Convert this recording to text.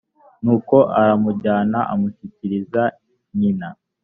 nuko aramujyana amushyikiriza nyina